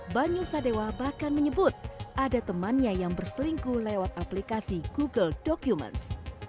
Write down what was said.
bahkan menyebut ada temannya yang berselingkuh lewat aplikasi google documents